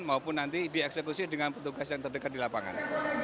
maupun nanti dieksekusi dengan petugas yang terdekat di lapangan